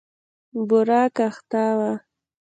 بوره کاخته وه.